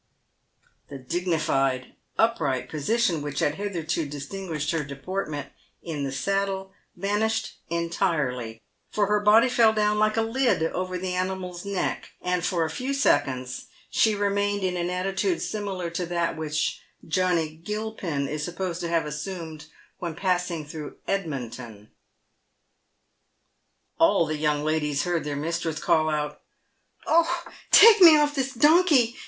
The dignified, upright position which had hitherto distin guished her deportment in the saddle vanished entirely, for her body fell down like a lid over the animal's neck, and for a few seconds she remained in an attitude similar to that which Johnny Gilpin is sup posed to have assumed when passing through Edmonton. All the young ladies heard their mistress call out, " Oh, take me off this donkey!